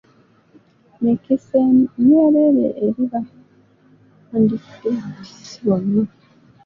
Mikisa myereere eri ba kandidetisi bonna.